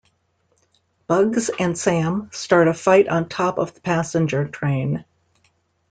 Bugs and Sam start a fight on top of the passenger train.